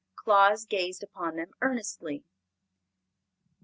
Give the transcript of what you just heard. Claus gazed upon them earnestly.